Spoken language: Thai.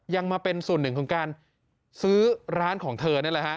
ยังมาเป็นส่วนหนึ่งของการซื้อร้านของเธอนั่นแหละฮะ